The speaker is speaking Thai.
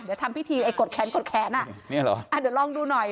เดี๋ยวทำพิธีไอ้กดแขนกดแขนอ่ะเนี้ยเหรออ่าเดี๋ยวลองดูหน่อย